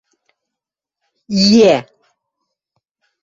«Иӓ...»